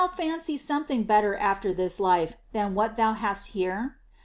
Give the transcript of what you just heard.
195 fancy something better after this life than what thou hast here?